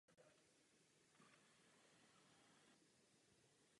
Georg Bätzing a pomocným biskupem je Mons.